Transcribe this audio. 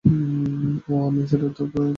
ওহ, আমি সেটার দফারফা করে দিয়েছি।